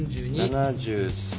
７３。